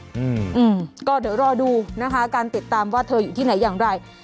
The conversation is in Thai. อืมก็เดี๋ยวรอดูนะคะการติดตามว่าเธออยู่ที่ไหนอย่างไร